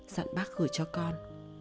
dặn bác gửi cho con